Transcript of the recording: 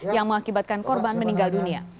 yang mengakibatkan korban meninggal dunia